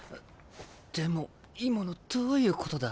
でも今のどういうことだ？